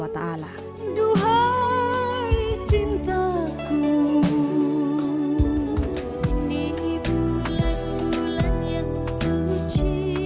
ini bulan bulan yang suci